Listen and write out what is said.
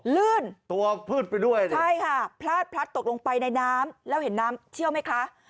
ลื่นตัวพืดไปด้วยนะใช่ค่ะพลาดพลัดตกลงไปในน้ำแล้วเห็นน้ำเชี่ยวไหมคะ